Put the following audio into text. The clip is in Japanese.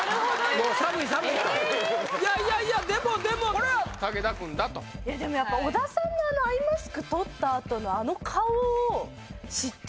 もう寒い寒いといやいやでもでもこれは武田君だとでもやっぱ小田さんのあのアイマスク取ったあとのあの顔を知っててできます？